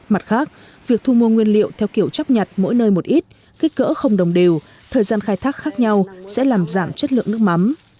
mặt khác việc thu mua nguyên liệu theo kiểu chấp nhật mỗi nơi một ít kích cỡ không đồng đều thời gian khai thác khác nhau sẽ làm giảm chất lượng nước mắm